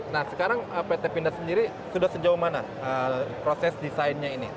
nah sekarang pt pindad sendiri sudah sejauh mana proses desainnya ini